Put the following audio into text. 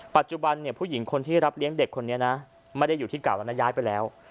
ปัจจุบันเนี่ยผู้หญิงคนที่รับเลี้ยงเด็กคนนี้นะไม่ได้อยู่ที่เก่าแล้วนะย้ายไปแล้ว